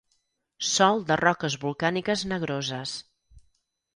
Sòl de roques volcàniques negroses.